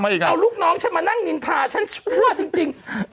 เอาลูกน้องฉันมานั่งนินทาฉันชั่วจริง